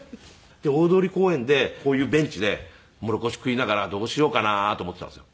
大通公園でこういうベンチでもろこし食いながらどうしようかな？と思っていたんですよ。